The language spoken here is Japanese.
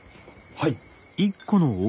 はい。